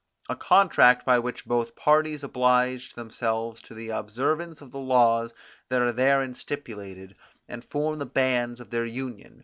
A contract by which both parties oblige themselves to the observance of the laws that are therein stipulated, and form the bands of their union.